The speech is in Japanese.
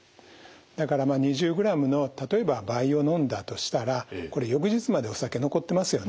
だからまあ２０グラムの例えば倍を飲んだとしたらこれ翌日までお酒残ってますよね。